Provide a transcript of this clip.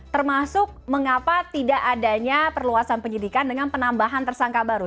termasuk mengapa tidak adanya perluasan penyidikan dengan penambahan tersangka baru